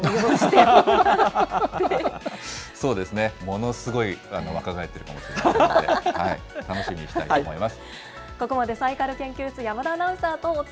５年後に、まず二郎さんの腰そうですね、ものすごい若返っているかもしれませんので、楽しみにしたいと思います。